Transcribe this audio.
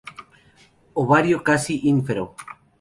Ovario casi ínfero.